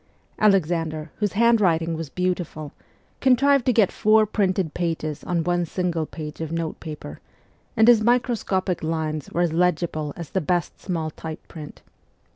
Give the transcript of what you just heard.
Alexander, whose handwriting was beautiful, contrived to get four printed pages on one single page of notepaper, and his microscopic lines were as legible as the best small type print.